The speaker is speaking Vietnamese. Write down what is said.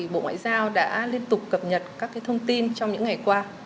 bộ ngoại giao đã liên tục cập nhật các thông tin trong những ngày qua